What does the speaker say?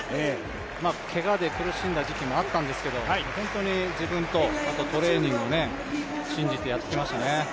けがで苦しんだ時期もあったんですけど本当に自分と、あとトレーニングを信じてやってきましたね。